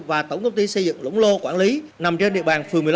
và tổng công ty xây dựng lũng lô quản lý nằm trên địa bàn phường một mươi một